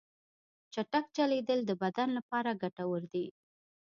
چټک چلیدل د بدن لپاره ګټور دي.